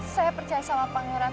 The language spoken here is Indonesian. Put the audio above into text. saya percaya sama pangeran